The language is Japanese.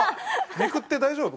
めくって大丈夫？